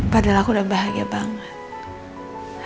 padahal aku udah bahagia banget